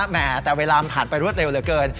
แหมแต่เวลามันผ่านไปรวดเร็วเหลือเกิน